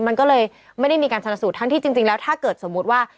มันก็เลยไม่ได้มีการชนสูตรทั้งที่จริงแล้วถ้าเกิดสมมุติว่า